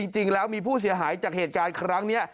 จริงแล้วมีผู้เสียหายจากเหตุการณ์ครั้งนี้